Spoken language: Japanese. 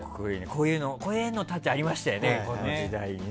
こういう絵のタッチありましたよね、この時代。